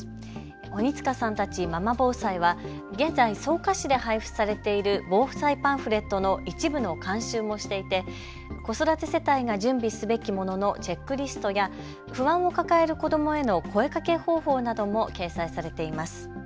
鬼塚さんたち、ママ防災は現在草加市で配付されている防災パンフレットの一部の監修もしていて、子育て世帯が準備すべきもののチェックリストや不安を抱える子どもへの声かけ方法なども掲載されています。